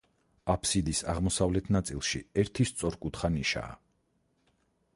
აბსიდის აღმოსავლეთ ნაწილში ერთი სწორკუთხა ნიშაა.